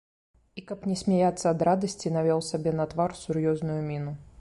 І каб не смяяцца ад радасці, навёў сабе на твар сур'ёзную міну.